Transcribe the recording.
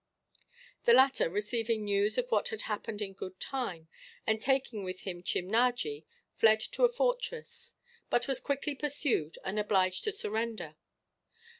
The latter, receiving news of what had happened in good time, and taking with him Chimnajee, fled to a fortress; but was quickly pursued, and obliged to surrender.